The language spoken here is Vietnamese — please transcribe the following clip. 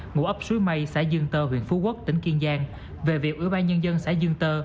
ngũ ấp suối mây xã dương tơ huyện phú quốc tỉnh kiên giang về việc ubnd xã dương tơ